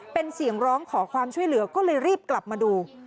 เป็นเสียงร้องขอความช่วยเหลือก็เลยรีบกลับมาดู